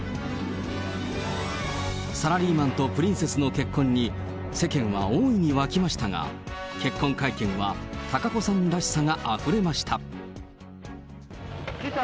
サラリーマンとプリンセスの結婚に、世間は大いに沸きましたが、結婚会見は貴子さんらしさがあふれました。